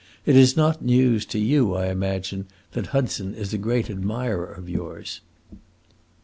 It is not news to you, I imagine, that Hudson is a great admirer of yours."